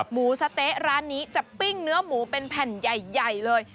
หมูสะเต๊ะร้านนี้จะปิ้งเนื้อหมูเป็นแผ่นใหญ่เลย